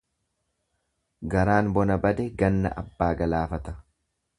Garaan bona bade, ganna abbaa galaafata.